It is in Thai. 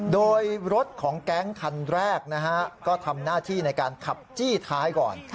โดยรถของแก๊งคันแรกนะฮะก็ทำหน้าที่ในการขับจี้ท้ายก่อน